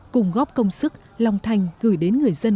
cùng góp công sức lòng thành gửi đến người dân